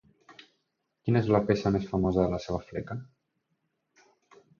Quina és la peça més famosa de la seva fleca?